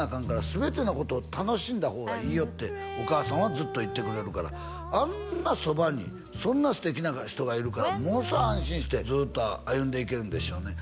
「全てのことを楽しんだ方がいいよ」ってお母さんはずっと言ってくれるからあんなそばにそんな素敵な人がいるからものすごい安心してずっと歩んでいけるんでしょうね